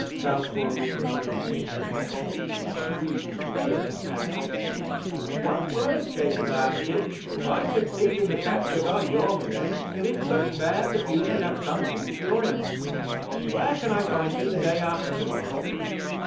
Southwold nodded significantly, and squeezed Jacob's hand. "One word, Jacob Armitage; if I succeed in the capture by your means, it is but fair that you should have something for your hint. Where can I find you the day after to morrow?"